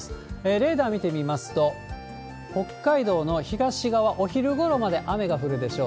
レーダー見てみますと、北海道の東側、お昼ごろまで雨が降るでしょう。